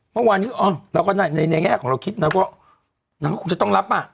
เมื่อวันนี้อ้อแล้วก็ในแง่ของเราคิดนักก็นักก็คงจะต้องรับอ่ะ